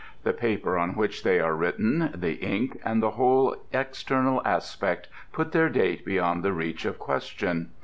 The paper on which they are written, the ink, and the whole external aspect put their date beyond the reach of question.